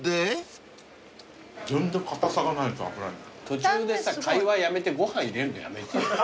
途中でさ会話やめてご飯入れるのやめてよ。